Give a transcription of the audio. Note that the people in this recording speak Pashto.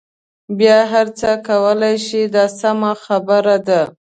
بیا هر څه کولای شئ دا سمه خبره ده.